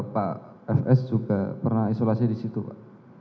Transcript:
pak fs juga pernah isolasi di situ pak